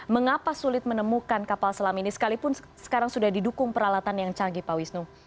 mengapa sulit menemukan kapal selam ini sekalipun sekarang sudah didukung peralatan yang canggih pak wisnu